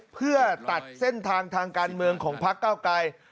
เพื่อตัดเส้นทางการเมื่นของภาคเก้ากาย